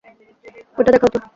ওইটা দেখাও তো।